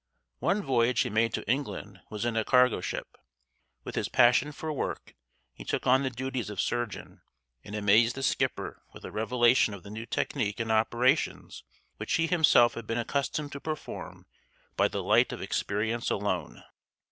One voyage he made to England was in a cargo ship. With his passion for work he took on the duties of surgeon, and amazed the skipper with a revelation of the new technique in operations which he himself had been accustomed to perform by the light of experience alone.